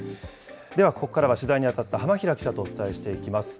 では、ここからは取材に当たった浜平記者とお伝えしていきます。